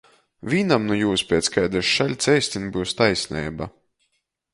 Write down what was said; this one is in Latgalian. Vīnam nu jūs piec kaidys šaļts eistyn byus taisneiba.